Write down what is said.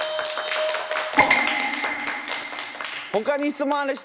ほかに質問ある人？